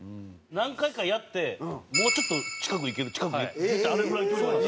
何回かやってもうちょっと近くいける近くいけるってあれぐらいの距離まで。